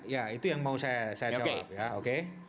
ya itu yang mau saya jawab